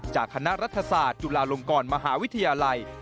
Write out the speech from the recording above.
จากคณะรัฐศาสตร์จุฬาลงกรมหาวิทยาลัย